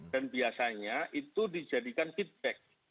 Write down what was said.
dan biasanya itu dijadikan feedback